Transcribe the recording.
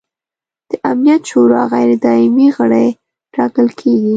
د امنیت شورا غیر دایمي غړي ټاکل کیږي.